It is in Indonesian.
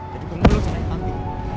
jadi bener lu sama nafi